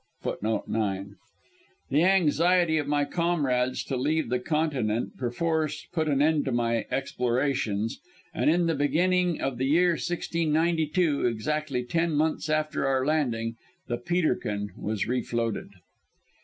"The anxiety of my comrades to leave the continent, perforce put an end to my explorations, and in the beginning of the year 1692 exactly ten months after our landing the Peterkin was refloated.